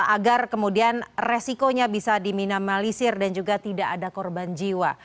agar kemudian resikonya bisa diminimalisir dan juga tidak ada korban jiwa